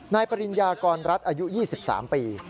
นายปริญญากรรดิ์อายุ๒๓ปี